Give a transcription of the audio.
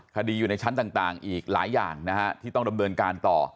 คดีอยู่ในชั้นต่างอีกหลายอย่างที่ต้องดำเนินการต่อ